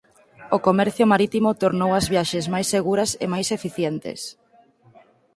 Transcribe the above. O comercio marítimo tornou as viaxes máis seguras e máis eficientes